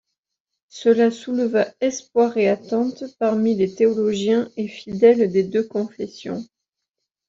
Cela souleva espoirs et attentes parmi les théologiens et fidèles des deux confessions.